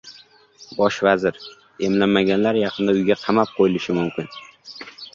Bosh vazir "Emlanmaganlar yaqinda uyga qamab qo‘yilishi mumkin"